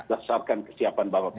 dasarkan kesiapan bapak presiden